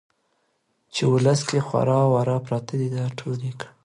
چې ولس کې خواره واره پراته دي را ټول يې کړي.